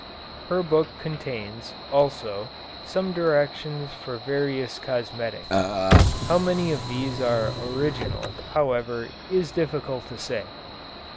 Her book contains, also, some directions for various cosmetics. How many of these are original, however, is difficult to say.